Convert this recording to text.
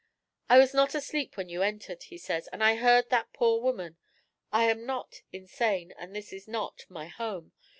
"I was not asleep when you entered," he says, "and I heard that poor woman. I am not insane, and this is not my home.